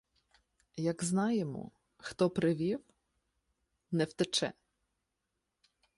— Як знаємо, хто привів, — не втече.